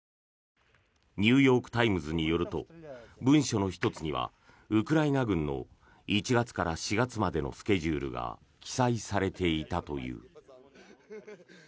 ニューヨーク・タイムズによると文書の１つにはウクライナ軍の１月から４月までのスケジュールが記載されていたという。